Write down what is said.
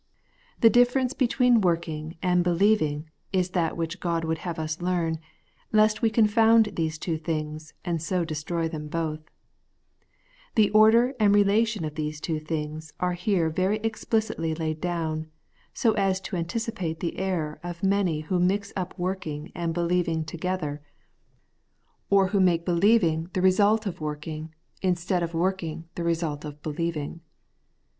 The difference be tween working and believing is that which God would have us learn, lest we confound these two things, and so destroy them botL The order and relation of these two things are here very explicitly laid down, so as to anticipate the error of many who mix up working and believing together, or who 176 Thi Everlasting £{g]iifOHsn£SS. make believing the result of working, instead of working the result of believing.